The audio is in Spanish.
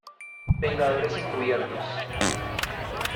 Vengadores Encubiertos".